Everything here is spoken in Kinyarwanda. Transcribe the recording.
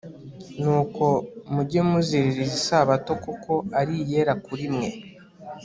Nuko mujye muziririza isabato kuko ari iyera kuri mwe